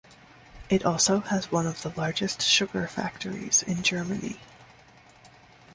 It also has one of the largest sugar factories in Germany.